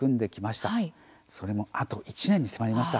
それも、あと１年に迫りました。